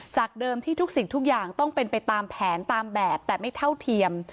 จากเดิมที่ทุกสิ่งทุกอย่างต้องเป็นไปตามแผนตามแบบแต่ไม่เท่าเทียม